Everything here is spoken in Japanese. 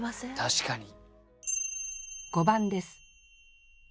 確かに。